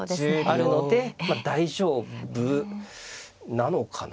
あるので大丈夫なのかな？